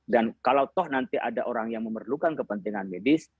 dan kalau toh nanti ada orang yang memerlukan kepentingan medis